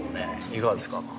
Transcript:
いかがですか？